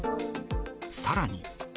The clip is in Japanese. さらに。